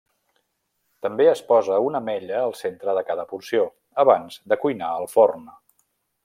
També es posa una ametlla al centre de cada porció, abans de cuinar al forn.